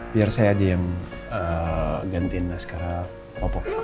biar saya aja yang gantiin maskara bapak